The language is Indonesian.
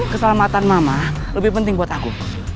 keselamatan mama lebih penting buat aku